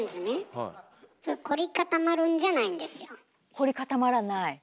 こり固まらない。